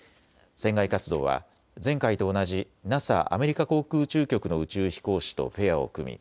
船外活動は前回と同じＮＡＳＡ・アメリカ航空宇宙局の宇宙飛行士とペアを組み